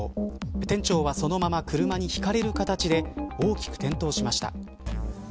店長は、そのまま車にひかれる形で大きく転倒しました。